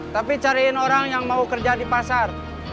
tapi cariin orang yang mau kerja di pasar